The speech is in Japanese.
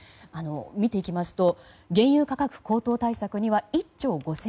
見ていきますと原油価格高騰対策には１兆５０００億円。